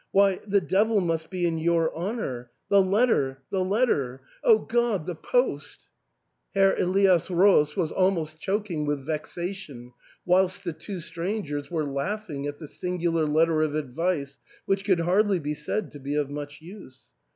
Why, the devil must be in your honour ! The letter — the letter ! O 326 ARTHUR'S HALL. Grod ! the post !" Herr Elias Roos was almost chok ing with vexation, whilst the two strangers were laugh ing at the singular letter of advice, which could hardly be said to be of much use.